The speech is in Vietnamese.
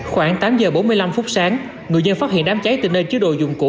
khoảng tám giờ bốn mươi năm phút sáng người dân phát hiện đám cháy từ nơi chứa đồ dụng cũ